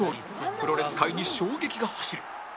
プロレス界に衝撃が走る